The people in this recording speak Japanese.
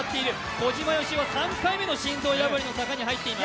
小島よしおは３回目の心臓破りの坂に入っています。